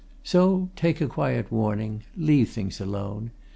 So take a quiet warning, leave things alone.